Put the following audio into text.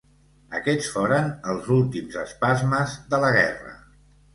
Aquests foren els últims espasmes de la guerra.